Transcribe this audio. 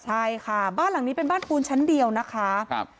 ใช่ค่ะบ้านหลังนี้เป็นบ้านปูนชั้นเดียวนะคะครับ